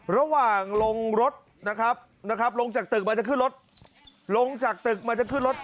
ระหว่างลงแต่ลงจากตึกเมื่อจะขึ้นรถ